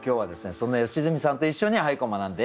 そんな良純さんと一緒に俳句を学んでまいりましょう。